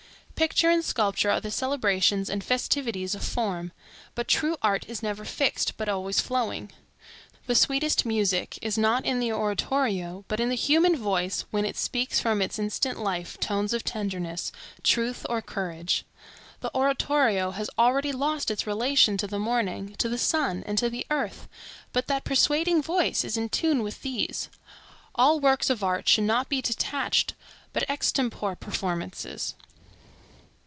Picture and sculpture are the celebrations and festivities of form. But true art is never fixed, but always flowing. The sweetest music is not in the oratorio, but in the human voice when it speaks from its instant life tones of tenderness, truth, or courage. The oratorio has already lost its relation to the morning, to the sun, and the earth, but that persuading voice is in tune with these. All works of art should not be detached, but extempore performances.